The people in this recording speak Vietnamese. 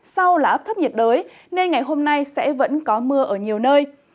sau là áp thấp nhiệt đới nên ngày hôm nay sẽ vẫn có mưa ở nhiều nơi